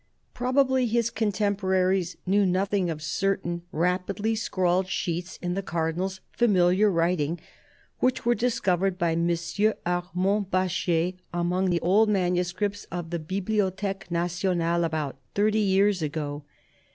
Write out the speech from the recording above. Probably his contemporaries knew nothing of certain rapidly scrawled sheets in the Cardinal's familiar writing, which were discovered by M. Armand Baschet among the old manuscripts of the Bibliothfeque Nationale, about thirty years ago.